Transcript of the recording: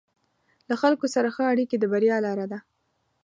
له خلکو سره ښه اړیکې د بریا لاره ده.